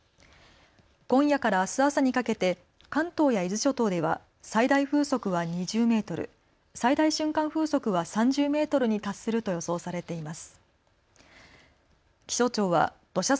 今夜からあす朝にかけて関東や伊豆諸島では最大風速は２０メートル、最大瞬間風速は３０メートルに達すると予想されています。